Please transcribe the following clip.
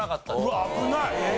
うわっ危ない！